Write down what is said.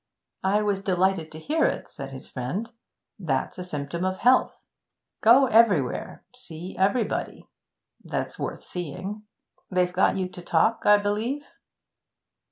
'I was delighted to hear it,' said his friend. 'That's a symptom of health. Go everywhere; see everybody that's worth seeing. They got you to talk, I believe?'